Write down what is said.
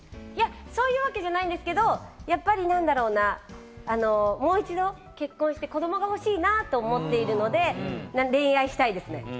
そういうわけじゃないんですけれど、やっぱりもう一度結婚して、子どもが欲しいなと思っているので、恋愛をしたいです。